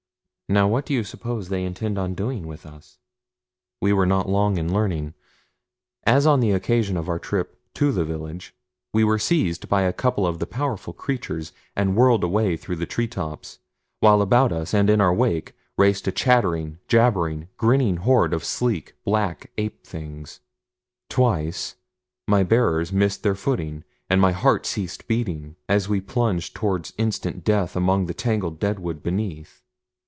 "Now what do you suppose they intend doing with us?" We were not long in learning. As on the occasion of our trip to the village we were seized by a couple of the powerful creatures and whirled away through the tree tops, while about us and in our wake raced a chattering, jabbering, grinning horde of sleek, black ape things. Twice my bearers missed their footing, and my heart ceased beating as we plunged toward instant death among the tangled deadwood beneath.